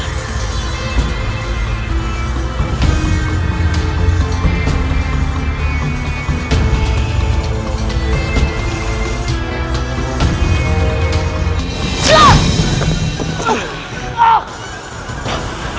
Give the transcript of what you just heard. tidak ada apa apa